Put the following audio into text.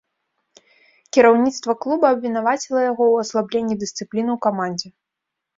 Кіраўніцтва клуба абвінаваціла яго ў аслабленні дысцыпліны ў камандзе.